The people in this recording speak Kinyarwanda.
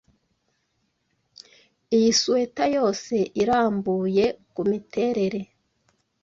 Iyi swater yose irambuye kumiterere.